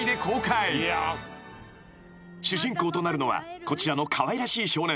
［主人公となるのはこちらのかわいらしい少年］